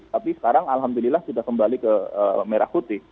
tapi sekarang alhamdulillah sudah kembali ke merah putih